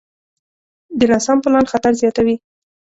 د ناسم پلان خطر زیاتوي.